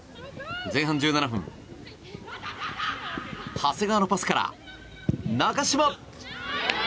前半１７分長谷川のパスから中嶋！